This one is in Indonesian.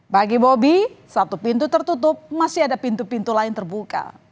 bagi bobi satu pintu tertutup masih ada pintu pintu lain terbuka